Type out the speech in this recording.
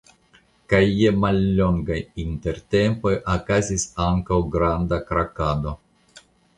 Kaj je mallongaj intertempoj okazas ankaŭ granda krakado.